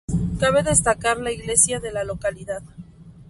Cabe destacar la iglesia de la localidad.